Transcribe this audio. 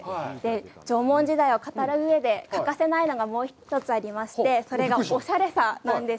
縄文時代を語る上で欠かせないのが、もう一つありまして、それがおしゃれさなんです。